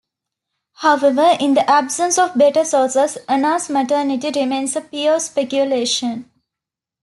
However, in the absence of better sources, Anna's maternity remains a pure speculation.